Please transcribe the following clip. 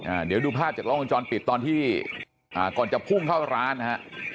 อ่าเดี๋ยวดูภาพจากล้องวงจรปิดตอนที่อ่าก่อนจะพุ่งเข้าร้านนะฮะ